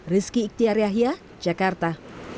rizky iktiar yahya jakarta